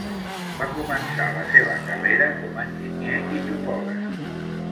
Va començar la seva carrera como a enginyer i topògraf.